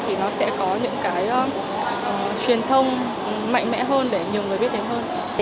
thì nó sẽ có những cái truyền thông mạnh mẽ hơn để nhiều người biết đến hơn